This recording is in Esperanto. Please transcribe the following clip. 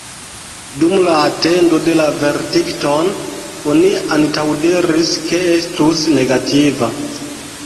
Dum la atendo de la verdikton oni antaŭdiris ke estus negativa.